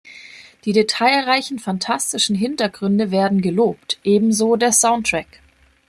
Die detailreichen, fantastischen Hintergründe werden gelobt, ebenso der Soundtrack.